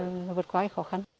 đó là lũ lụt vượt qua khó khăn